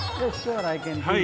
はい。